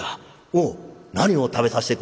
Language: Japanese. おう何を食べさせてくれるな？」。